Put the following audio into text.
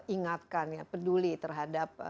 ingatkan peduli terhadap